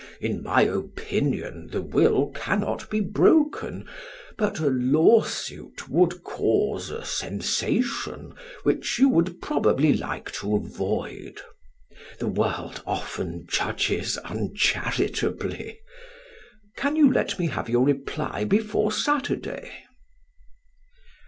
In my opinion the will cannot be broken, but a lawsuit would cause a sensation which you would probably like to avoid. The world often judges uncharitably. Can you let me have your reply before Saturday?"